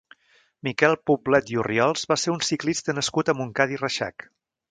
Miquel Poblet i Orriols va ser un ciclista nascut a Montcada i Reixac.